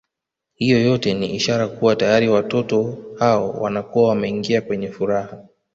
Hiyo yote ni ishara kuwa tayari watoto hao wanakuwa wameingia kwenye furaha